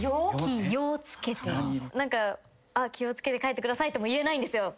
「気を付けて帰ってください」とも言えないんですよ。